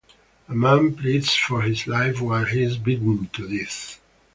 A man pleads for his life while he is beaten to death.